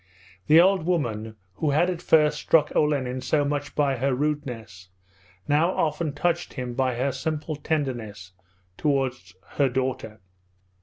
The old woman, who had at first struck Olenin so much by her rudeness, now often touched him by her simple tenderness towards her daughter.